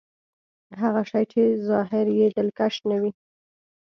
هغه شی چې ظاهر يې دلکش نه وي.